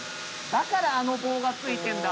だからあの棒がついてるんだ。